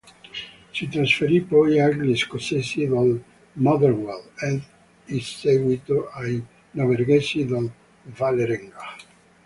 Si trasferì poi agli scozzesi del Motherwell ed in seguito ai norvegesi del Vålerenga.